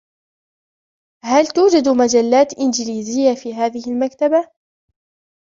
هل توجد مجلّاتٌ إنجليزيّة في هذه المكتبةِ؟